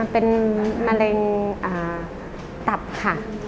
เป็นมะเร็งตับค่ะ